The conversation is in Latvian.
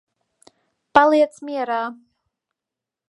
Paliec mierā.